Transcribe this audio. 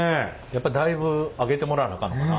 やっぱだいぶ上げてもらわなあかんのかな。